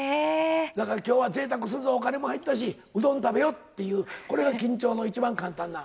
だからきょうはぜいたくするぞ、お金も入ったし、うどん食べよっていう、これが緊張の一番簡単な。